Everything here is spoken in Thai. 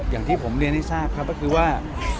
อย่างที่ผมเรียนให้ทราบครับก็คือว่า